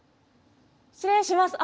失礼します。